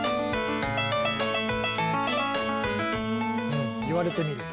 うん言われてみると。